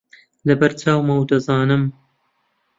لەبەر چاومە و دەزانم